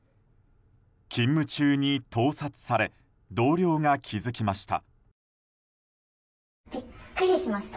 勤務中に盗撮され同僚が気付きました。